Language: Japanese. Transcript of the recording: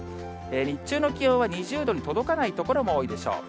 日中の気温は２０度に届かない所も多いでしょう。